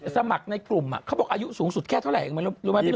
สมัครในกลุ่มอ่ะเขาบอกอายุสูงสุดแค่เท่าไรมันรู้ไหมพี่